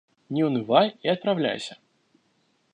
Не унывай и отправляйся».